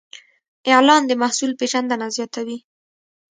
اعلان د محصول پیژندنه زیاتوي.